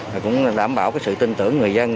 và cũng đảm bảo sự tin tưởng người dân